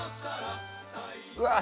うわっ